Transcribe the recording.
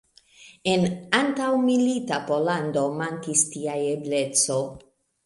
En antaŭmilita Pollando mankis tia ebleco.